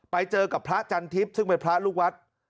ไปเจอกับพระจันทิพย์ซึ่งเป็นพระลูกวัด